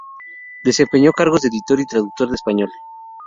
Desempeñó cargos de editor y traductor de español.